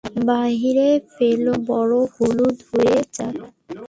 বাহিরে ফেলো না বরফ হলুদ হয়ে যায়।